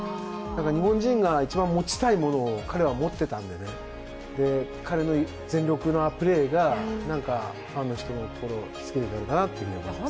日本人が一番持ちたいものを彼は持っていたのでね、彼の全力のプレーがファンの人の心を引きつけたんだなと思います。